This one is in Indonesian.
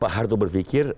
pak harto berfikir